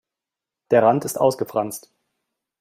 Der Rand ist ausgefranst.